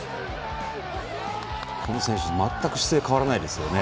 この選手、全く姿勢変わらないですよね。